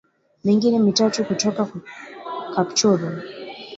Mingine mitatu kutoka Kapchorwa